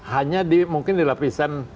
hanya mungkin di lapisan